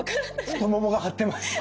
太ももが張ってます。